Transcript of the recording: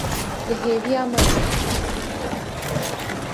Li hêviya me bû.